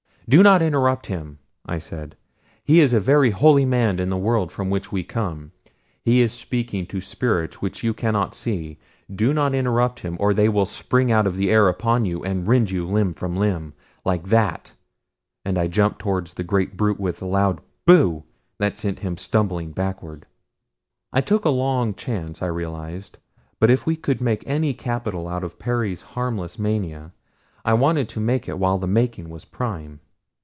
"Do not interrupt him," I said. "He is a very holy man in the world from which we come. He is speaking to spirits which you cannot see do not interrupt him or they will spring out of the air upon you and rend you limb from limb like that," and I jumped toward the great brute with a loud "Boo!" that sent him stumbling backward. I took a long chance, I realized, but if we could make any capital out of Perry's harmless mania I wanted to make it while the making was prime.